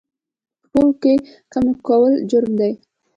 په تول کې کمي کول جرم دی